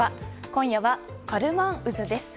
今夜はカルマン渦です。